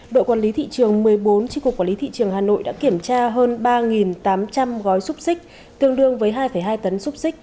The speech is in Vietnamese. đội quản lý thị trường một mươi bốn tri cục quản lý thị trường hà nội đã kiểm tra hơn ba tám trăm linh gói xúc xích tương đương với hai hai tấn xúc xích